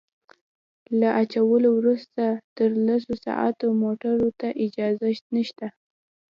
له اچولو وروسته تر لسو ساعتونو موټرو ته اجازه نشته